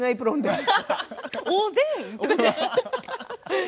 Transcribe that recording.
おでん！